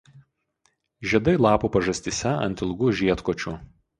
Žiedai lapų pažastyse ant ilgų žiedkočių.